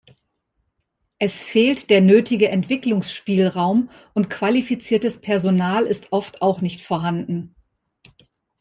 Es fehlt der nötige Entwicklungsspielraum, und qualifiziertes Personal ist oft auch nicht vorhanden.